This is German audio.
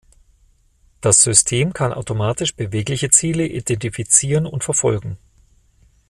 Das System kann automatisch bewegliche Ziele identifizieren und verfolgen.